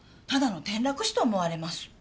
ただの転落死と思われます。